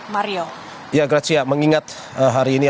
mario ya gracia mengingat hari ini